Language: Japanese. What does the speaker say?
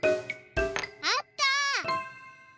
あった！